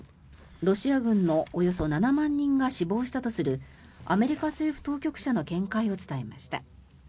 ロシア軍のおよそ７万人が死亡したとするアメリカ政府当局者の見解を伝えました。